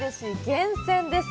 厳選です